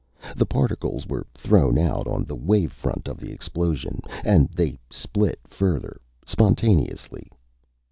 The particles were thrown out on the wave front of the explosion, and they split further, spontaneously.